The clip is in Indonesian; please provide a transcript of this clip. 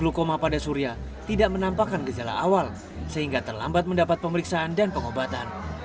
glukoma pada surya tidak menampakkan gejala awal sehingga terlambat mendapat pemeriksaan dan pengobatan